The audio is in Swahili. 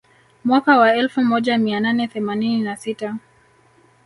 Mwaka wa elfu moja mia nane themanini na sita